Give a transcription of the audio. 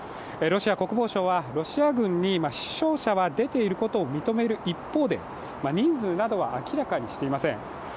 ロシア国防省はロシア軍に死傷者が出ていることは認める一方で人数などは明らかにしていません。